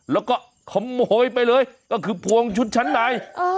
แล้วก็ขโมยไปเลยก็คือพวงชุดชั้นใน